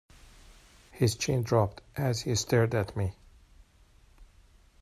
His chin dropped as he stared at me.